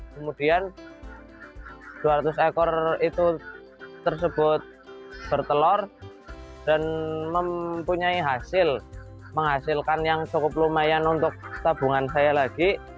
kemudian dua ratus ekor itu tersebut bertelur dan mempunyai hasil menghasilkan yang cukup lumayan untuk tabungan saya lagi